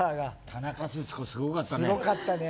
田中節子、すごかったね。